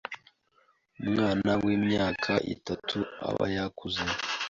Umwana w’imyaka itatu aba yakuze